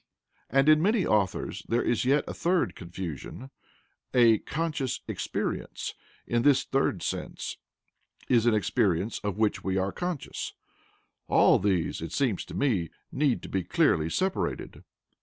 And in many authors there is yet a third confusion: a "conscious experience," in this third sense, is an experience of which we are conscious. All these, it seems to me, need to be clearly separated.